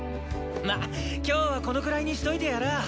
ま今日はこのくらいにしといてやらあ。